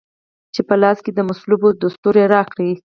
چي په لاس کې د مصلوبو دستور راکړی